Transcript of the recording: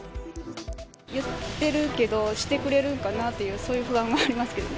言ってるけど、してくれるんかなっていう、そういう不安はありますけどね。